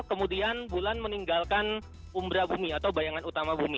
kemudian bulan meninggalkan umbra bumi atau bayangan utama bumi